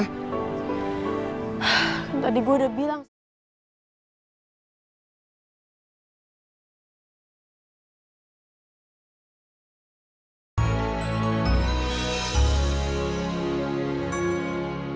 kan tadi gue udah bilang